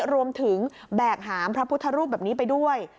แบกหามพระพุทธรูปแบบนี้ไปด้วย